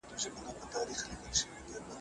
څنګه ځوانان خپل ږغ پورته کوي؟